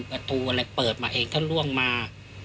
ประตูอะไรเปิดมาเองถ้าล่วงมา